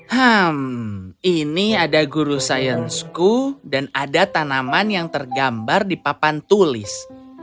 hmm ini ada guru sainsku dan ada tanaman yang tergambar di papan tulis